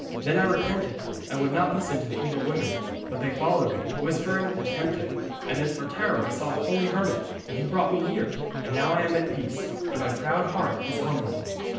Then I repented, and would not listen to the evil women. But they followed me, whispering and tempting, and then for terror I sought a holy hermit, and he brought me here, and now am I at peace, and my proud heart is humble.'